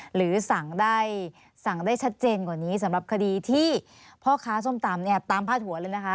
หรือสั่งได้สั่งได้ชัดเจนกว่านี้สำหรับคดีที่พ่อค้าส้มตำเนี่ยตามพาดหัวเลยนะคะ